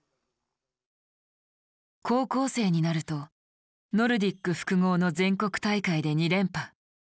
高校生になるとノルディック複合の全国大会で２連覇。